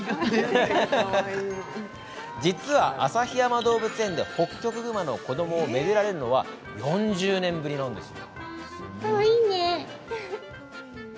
実は旭山動物園でホッキョクグマの子どもをめでられるのは４０年ぶりです。